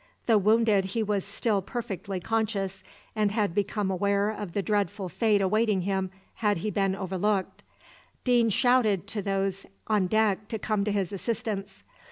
Though wounded, he was still perfectly conscious, and had become aware of the dreadful fate awaiting him had he been overlooked. Deane shouted to those on deck to come to his assistance.